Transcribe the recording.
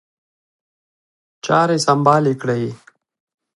چاري سمبال کړي.